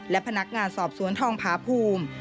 และพนักงานสอบสวนทองผาภูมิ